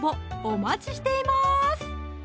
お待ちしています